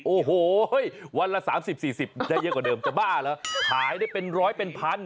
โอ้โหวันละ๓๐๔๐ได้เยอะกว่าเดิมจะบ้าเหรอขายได้เป็นร้อยเป็นพัน